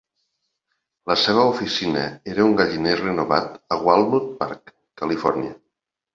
La seva oficina era un galliner renovat a Walnut Park, Califòrnia.